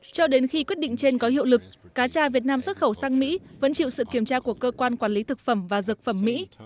cho đến khi quyết định trên có hiệu lực cá tra việt nam xuất khẩu sang mỹ vẫn chịu sự kiểm tra của cơ quan quản lý thực phẩm và dược phẩm mỹ